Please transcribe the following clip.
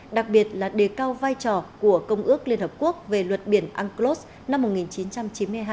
đặc biệt là đề cao vai trò của công ước liên hợp quốc về luật biển unclos năm một nghìn chín trăm chín mươi hai